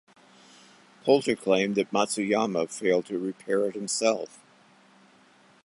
Poulter claimed that Matsuyama failed to repair it himself.